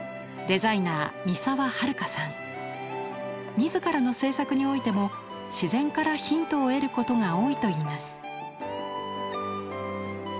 自らの制作においても自然からヒントを得ることが多いといいます。